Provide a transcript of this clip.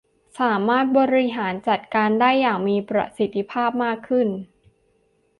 สามารถบริหารจัดการได้อย่างมีประสิทธิภาพมากขึ้น